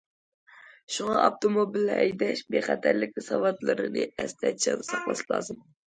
شۇڭا ئاپتوموبىل ھەيدەش بىخەتەرلىك ساۋاتلىرىنى ئەستە چىڭ ساقلاش لازىم.